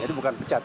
jadi bukan pecat